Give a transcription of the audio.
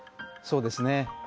そうですね。